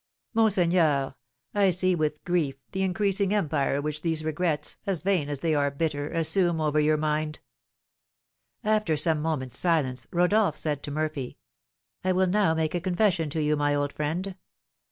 "Monseigneur, I see with grief the increasing empire which these regrets, as vain as they are bitter, assume over your mind." After some moments' silence, Rodolph said to Murphy: "I will now make a confession to you, my old friend.